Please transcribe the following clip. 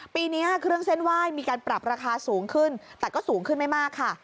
ปีนี้เครื่องเส้นไหว้มีการปรับราคาสูงขึ้นแต่ก็สูงขึ้นไม่มากค่ะ